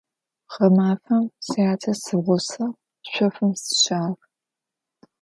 Гъэмафэм сятэ сигъусэу шъофым сыщыӀагъ.